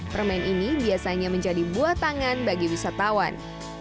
permen ini biasanya menjadi buatangan bagi wisatawan